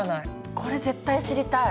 これ絶対知りたい。